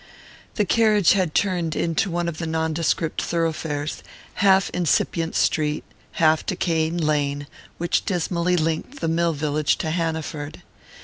The carriage had turned into one of the nondescript thoroughfares, half incipient street, half decaying lane, which dismally linked the mill village to Hanaford.